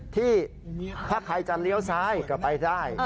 ที่ถ้าใครจะเลี้ยวซ้ายก็ไปได้